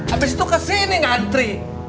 abis itu kesini ngantri